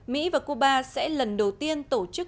mỹ và cuba sẽ lần đầu tiên tổ chức